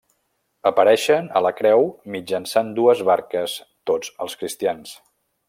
Apareixen a la Creu mitjançant dues barques tots els cristians.